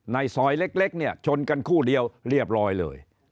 ในซอยเล็กเนี่ยชนกันคู่เดียวเรียบร้อยเลย